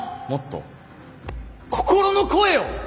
もっと心の声を！